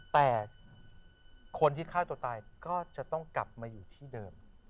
แต่คนที่ฆ่าตัวตายก็จะต้องกลับมาอยู่ที่เดิม